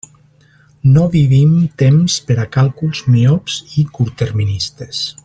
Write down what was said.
No vivim temps per a càlculs miops i curtterministes.